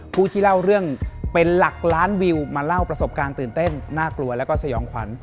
ผู้ที่เล่าเรื่องเป็นหลักล้านวิวมาเล่าประสบการณ์ตื่นเต้นน่ากลัวแล้วก็สยองขวัญ